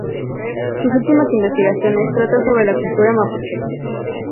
Sus últimas investigaciones tratan sobre la cultura mapuche.